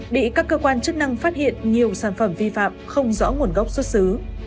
bị các cơ quan chức năng phát hiện nhiều sản phẩm vi phạm không rõ nguồn gốc xuất xứ